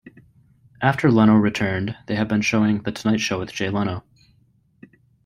After Leno returned, they have been showing "The Tonight Show with Jay Leno".